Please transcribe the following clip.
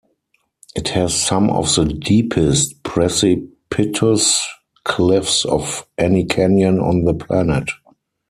It has some of the deepest precipitous cliffs of any canyon on the planet.